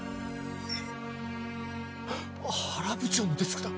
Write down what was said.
原部長のデスクだ